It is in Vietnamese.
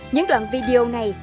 những đoạn video này